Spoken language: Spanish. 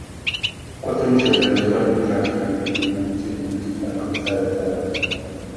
Cuatro misioneros fueron transferidos de una misión en Brasil para comenzar el trabajo.